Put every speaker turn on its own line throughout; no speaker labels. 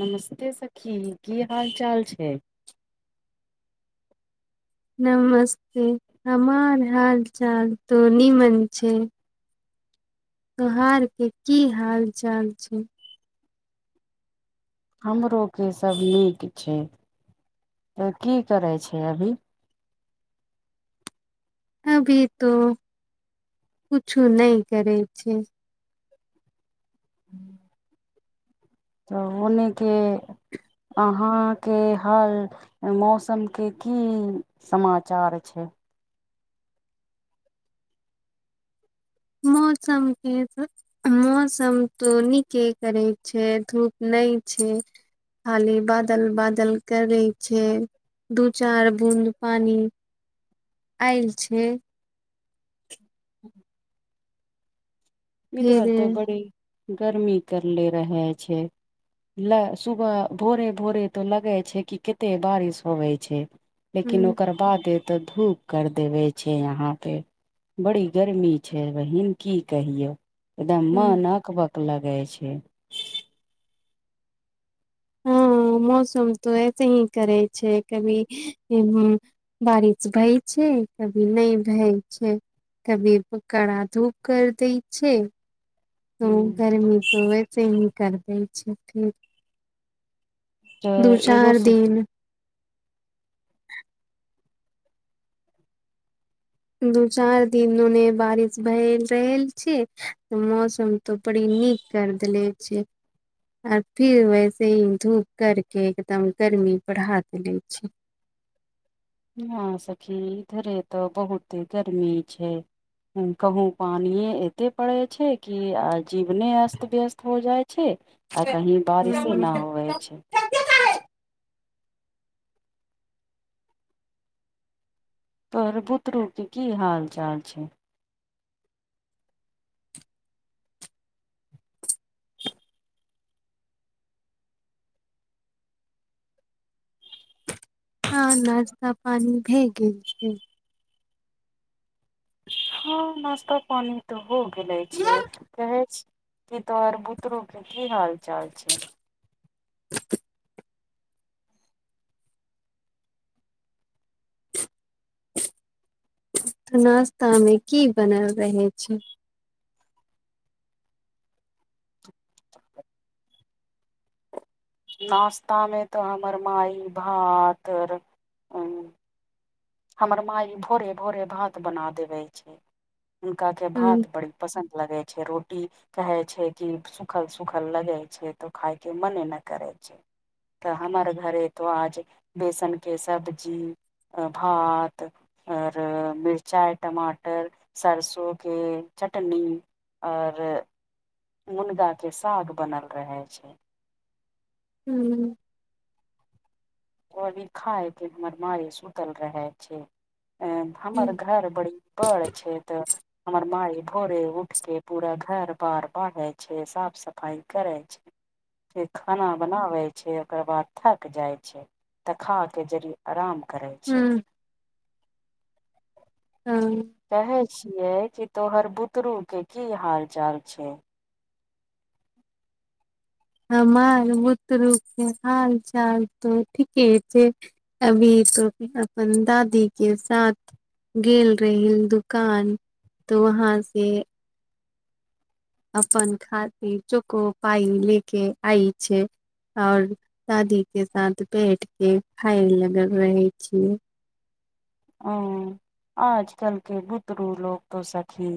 नमस्ते सखी की हाल चाल छै
नमस्ते हमर हाल चाल तोनी मन छै तोहार के की हाल चाल छै
हमरो के सब नीक छै तऽ की करै छै अभी
अभी तो कुछु नहि करै छै
तऽ उनेके अ यहां के हाल मौसम के की समाचार छै
मौसम के छै मौसम तो नीके करै छै धूप नहि छै खाली बादल बादल करै छै दू चार बूद पानी आयल छै
इधर तऽ बड़ी गर्मी करले रहै छै लै सुबह भोरे भोरे तो लगे छै कि कते बारिश होवे छै लेकिन
फेर
ओकर बाद ए तऽ धूप कर देवे छै यहाँ पे बड़ी गर्मी छै बहिन की कहियो एकदम मन अकबक लगे छै
हँ मौसम तऽ ऐसे ही करै छै कभी बारिश भए छै कभी नहि भए छै कभी कड़ा धूप कर दै छै हूंम्म
तऽ
गर्मी तऽ ओवव ही कर दै छै दू
एगो
चार दिन दू चार दिन ओने बारिश भए रहल छै मौसम तो बड़ी नीक करदले छै आर फिर वैसे ही धूप कर के एकदम गर्मी बढ़ा देेले छी
यहं सखी इधरे तऽ बहुते गर्मी छै कहूँ पानियें एते पड़े छै कि आ जीवने अस्त व्यस्त हो जाइ छै आ कहीँ बारिशे नहि होवै छै
हम्म।
तोहर बुतरू के की हाल चाल छै।
हँ नाश्ता पानी भए गेल छै
हँ नश्ता पानी तऽ हो गेले छै कहे की तोहर बुतरू के की हाल चाल छै।
[inaudible] तऽ नास्ता मे की बनल रहै छै।
[inaudible] नास्ता मे तऽ हमर माइ भात र उ हमर माई भोरे भोरे भात बना देवे छै, हुनका के
हूँ
भात बड़ी पसन्द लगै छै रोटी कहै छै कि सुखल सुखल लगे छै तऽ खायके मने ने करै छै। तऽ हमर घरे तो आज बेसन के सब्जी अ भात आर मिर्चाय, टमाटर, सरसों के चटनी। आर मुनगा के साग बनल रहै छै।
हूं
कोबी खाय के हमर माइ सुतल रहै छै, ए
हूँ
हमर घर बड़ी पर छै त हमर माइ भोरे उठ के पूरा घर बार बाहरे छै, साफ सफाई करै छै। फिर खाना बनाबै छै, ओकर बाद थक जाय छै। त खा के जरी अराम करै छै।
हूँ हाँ।
कहै छियै जे तोहर बुतरू के की हाल चाल छै।
हमर बुतरु के हाल चाल तऽ ठीके छै। अभी तो अपन दादी के साथ गेल रहीयैन दुकान तऽ वहाँ से अपन खातिर चोको पाइ ले के आइ छै। और दादी के साथ बैठ के खाय लगल रहै छीयै।
आऊं आजकल के बुतरू लोक तो सखी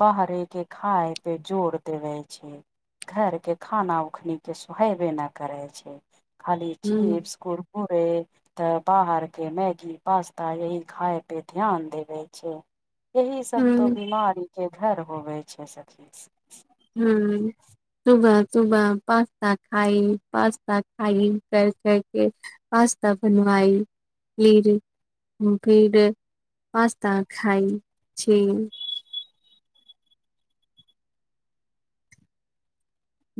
बाहरे के खाय पे जोड़ देबे छै। घर के खाना उखनी के सोहैबे न करै छै। खाली
हूँ
चीप्स, कुरकुरे त बाहर के मैगी, पास्ता यही खाय पे ध्यान देबे छै, इही सब तो
हूँ
बीमारी के घर होवै छै सखी।
हूं सुबह सुबह पास्ता खाइ, पास्ता खाइ कर कर के पास्ता बनवाई फिर [unintelligible] पास्ता खाई छी।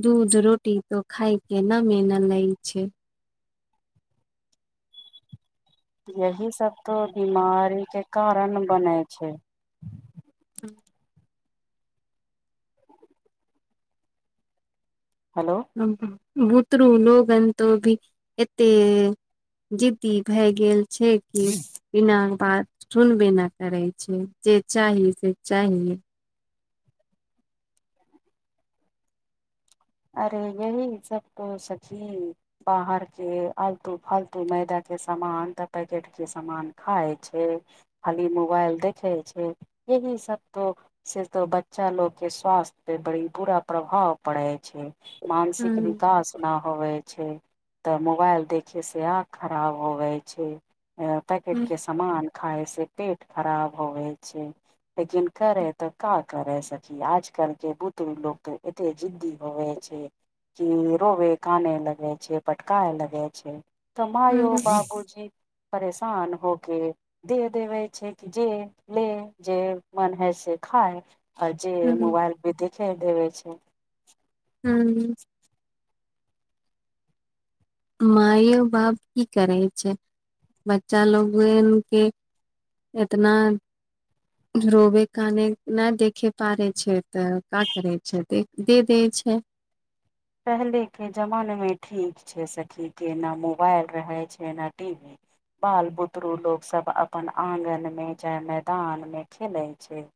दूध रोटी तो खायके नामे न लै छै।
यही सब तो बीमारी के कारण बनैऽ छै।
[inaudible]
हेलो।
हूं बुतरू लोगन तो भी एते जिद्दी भाय गेल छै। कि बिना बात सुनबे ना करै छै जे चाही से चाही।
अरे यही सब तो सखी बाहर के आलतू फालतू मैदा के समान तऽ पैकेट के समान खाय छै। खाली मोबाइल देखै छै। यही सब तो से तो बच्चा लोग के स्वास्थ्य पे बड़ी बुरा प्रभाव पड़ेऽ छै
हूँ
मानसिक विकास। ना होबै छै तऽ मोबाइल देखै से आँख खराब होबैय छै, ए पैकेट
हूँ
के समान खाय से पेट खराब होबय छै। लेकिन करे तऽ का करे सखी आजकल केँ बुदरु लोको तऽ एते जिद्दी। होबे छै की रोबे काने लगे छै पटकाए लगे छै। तऽ मायो
हूँ
बाबू जी परेशान होके। दे देबे छै कि जे ले जे मन है से खाय। अ जे
हूँ
मोबाइल पे दिखे दबे छै।
हूँ। माइयो बाप की करै छै बच्चा लोगेन केँ। एतना। रोबे काने नहि देखे पारे छै त का करै छै दे देै छै।
पहिलेके जमानेमे ठीक छै सखी केँ ना मोबाइल रहै छै न टी वी। बाल बुतरु लोग सब अपन आंगन मे चाहे मैदान मे खेले छै।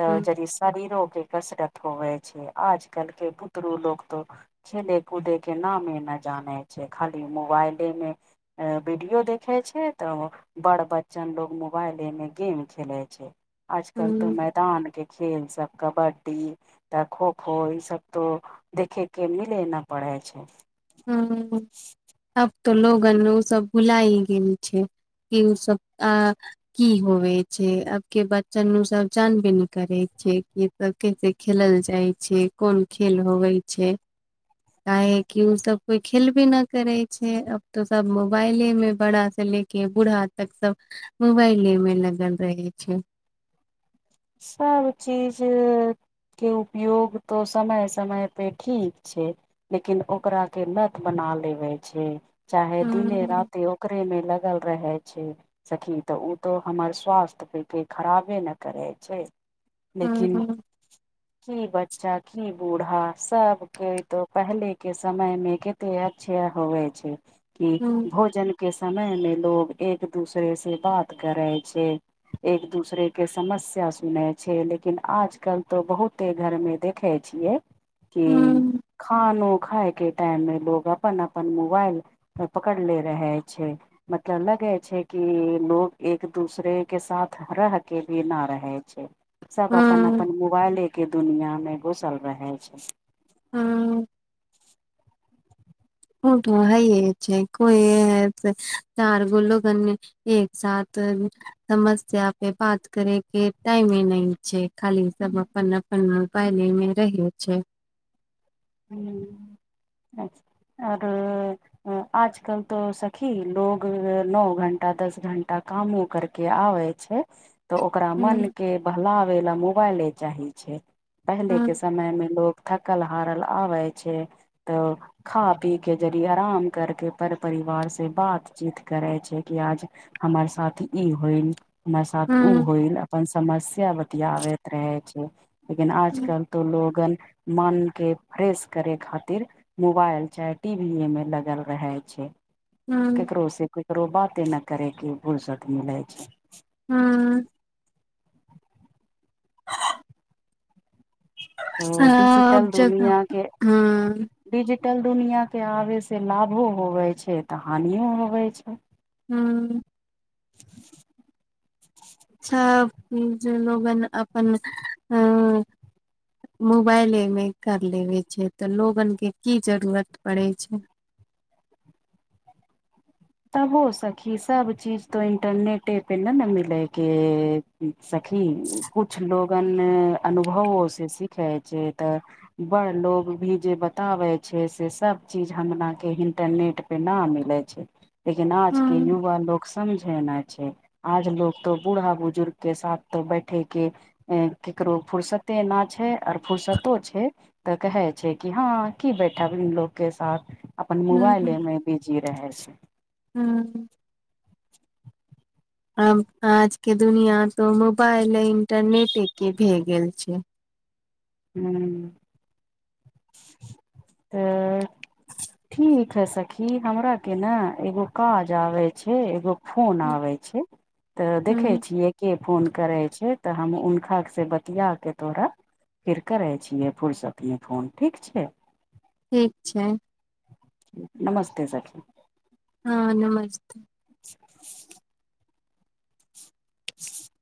तऽ जरी शरीरो केँ कसरत होवेय छै आजकल केँ बुतरू लोग। तो खेले कूदे केँ नामे न जानै छै खाली मोबाइले मे। ए वीडियो देखे छै तऽ ओ। बड़ बच्चन लोग मोबाइले मे गेम खेलै छै आजकल तो
ह
मैदान केँ। खेेल सब कबड्डी तऽ खो खो ई सब तो। देखे केँ मिले नऽ परे छै।
हूँ अब तो लोगन उ सब भुलाइ गेल छै। की उ सभ आ। की होवे छै अब केँ बच्चन उ सब जानबे न करे छै कि सब कैसे खेलल जाइ छै कोन खेल होवे छै काहे की। की उ सब कोई खेलबे नऽ करै छै अब तो सब मोबाइले मे बड़ा से ले केँ बूढ़ा। तक सब मोबाइले मे लगल रहै छै।
सब चीज। केँ उपयोग तो समय समय पे ठीक छै। लेकिन ओकरा केँ लत बना लेबे छै चाहे दिने
हूँ
रात। ति ओकरे मे लगल रहे छै। सखी त ओ त हमर स्वास्थ्य पेकेँ खराबे न करैत। छै
हूँ
लेकिन।
हूँ
की बच्चा की बूढ़ा सबकेँ तो पहले केँ समय मे के। ते अच्छा होबे छै कि भोजन। के समय मे लोग एक दूसरे से बात करै छै। एक दूसरे केँ समस्य। या सुनै छै लेकिन आजकल तो बहुते घर मे देखै छियै। कि
हूँ
खानो खाय केँ टाइम मे लोग अपन अपन मोबाइल। पकड़ले रहै छै। मतलब लगै छै कि लोग एक दूसरे केँ साथ रह केँ भी ना रहे। रहे छै सब अपन
हूँ
अपन मोबाइले केँ दुनिया मे घुसल रहै छै।
हँ। ओ तो हइये छै कोइ ऐ हेतै से चार गो लोगन मे। एक साथ। समस्या पे बात करे केँ टाइमे नै छै खाली सब अपन अप। अपन मोबइले मे रहै छै।
ह आओर। आजकल तो सखी लोग नओ घण्टा दस घंटा कामो करके आबए। छै। त ओकरा
हूँ
मन के बहलावे ला मोबाइले चाही छै पहिले
हूँ
के समय मे लोग। थकल हारल आबै छै त खा पी के जदि आराम करके पर परिवार से बातचीत करै छै कि आज। हमर साथ ई होइल हमर साथ उ
हूँ
होइल अपन सा समस्या बतियाबैत रहै छै लेकिन
हूँ
आजकल तऽ लोगन मनके फ्रेश करे खातिर मोबाइल चाहे टीवी ए में लगल रहे छै
हूँ
ककरोे से ककरो बाते नहि करे के फुर्सत मीलै छै
हूँ
ओ
सब
डिजिटल
जगह
दुनिया के
हँ
डिजिटल दुनिआ के आबै से लाभो होबै छै तऽ हानिओ होबै छै
हूँ अच्छा जे लोगन अपन अ मोबाइलेमे कर लेबे छै तऽ लोगने की जरूरत पड़ैत छै
तबो सखी सब चीज तो इंटरनेटे पे ने ने मिलयके सखी किछु लोगन अनुभवोसँ सीखै छै तऽ बड़ लोग भी जे बताबै छै से सब चीज हमरा के इंटरनेट न मिलै छै लेकिन आज के
हँ
युवा लोक समझै ना छै आज लोग तो बूढ़ा बुजुर्ग के साथ त बैठेके ककरो फुर्सते ना छै आओर फुुरसतो छै तऽ कहै छै कि हँ की बैठबलोग के साथ अपन मोबाइले मे बिजी रहे छै
हूँ आब आज के दुनिया तो मोबाइल आ इंटरनेट के भे गेल छै
हू तऽ कखे सखी हमरा के ने एगो काज आबे छै एगो फोन आबै छै तऽ देखै
हँ
छीयै के फोन करै छै तऽ हम हुनका से बतिया के तोरा फेर करै छियै फुरसतमे फोन ठीक छै
ठीक छै
नमस्ते सखी
हँ नमस्ते
[inaudible] [inaudible]